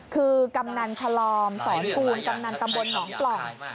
คือกำนันฉลอมสอนภูลกำนันตำบลหนองปล่อง